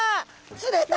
釣れた。